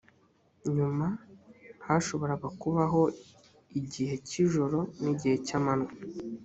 nyuma hashoboraga kubaho igihe cy’ijoro n’igihe cy amanywa